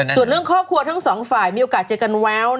ส่วนเรื่องครอบครัวทั้งสองฝ่ายมีโอกาสเจอกันแวว